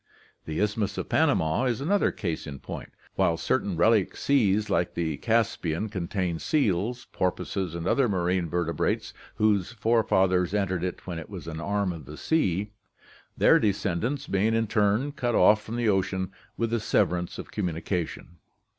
The Isthmus of Panama is another case in point, while certain relic seas like the Caspian con tain seals, porpoises, and other marine vertebrates whose fore fathers entered it when it was an arm of the sea; their descendants being in turn cut off from the ocean with the severance of communi cation.